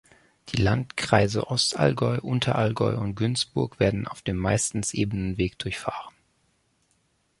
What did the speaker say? Die Landkreise Ostallgäu, Unterallgäu und Günzburg werden auf dem meistens ebenen Weg durchfahren.